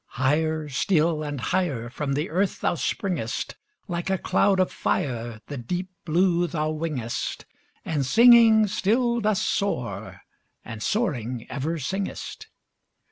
Higher still and higher From the earth thou springest: Like a cloud of fire, The blue deep thou wingest, And singing still dost soar, and soaring ever singest.